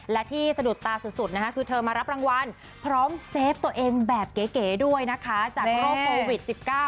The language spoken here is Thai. และที่สะดุดตาสุดนะคะคือเธอมารับรางวัลพร้อมเซฟตัวเองแบบเก๋ด้วยนะคะจากโรคโควิด๑๙